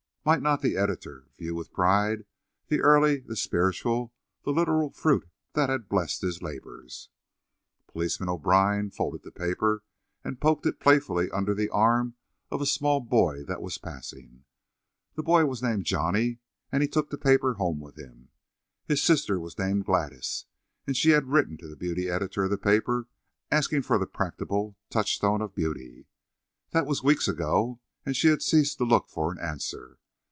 Might not the editor man view with pride the early, the spiritual, the literal fruit that had blessed his labours. Policeman O'Brine folded the paper and poked it playfully under the arm of a small boy that was passing. That boy was named Johnny, and he took the paper home with him. His sister was named Gladys, and she had written to the beauty editor of the paper asking for the practicable touchstone of beauty. That was weeks ago, and she had ceased to look for an answer.